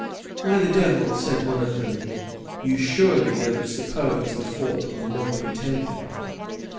"Why, the devil!" said one of them, "you surely don't suppose the fort will not be taken?"